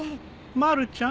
・まるちゃん？